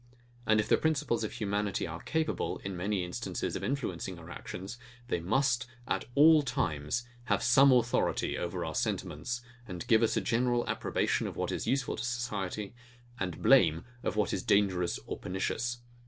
And if the principles of humanity are capable, in many instances, of influencing our actions, they must, at all times, have some authority over our sentiments, and give us a general approbation of what is useful to society, and blame of what is dangerous or pernicious.